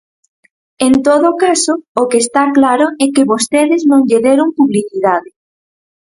En todo caso, o que está claro é que vostedes non lle deron publicidade.